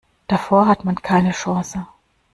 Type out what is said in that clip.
Davor hat man keine Chance.